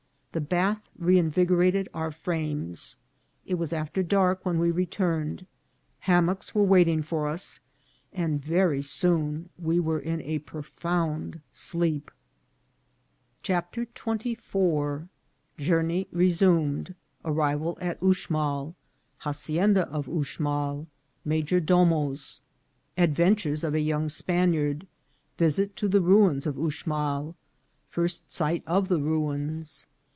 The bath reinvigorated our frames. It was after dark when we returned ; hammocks were waiting for us, and very soon we were in a profound sleep. VOL. II.— 3 F 410 INCIDENTS OF TRAYEL. CHAPTER XXIV. Journey resumed.— Arrival at Uxmal.— Hacienda of Uxmal. — Major domos. — Adventures of a young Spaniard* — Visit to the Ruins of Uxmal. — First Sight of the Ruins.